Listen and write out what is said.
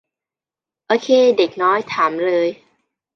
โอเคเด็กน้อย ถามเลย